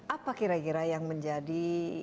apa kira kira yang menjadi